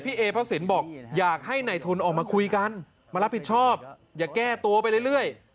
เอพระสินบอกอยากให้ในทุนออกมาคุยกันมารับผิดชอบอย่าแก้ตัวไปเรื่อย